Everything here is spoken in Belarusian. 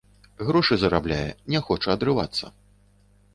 Грошы зарабляе, не хоча адрывацца.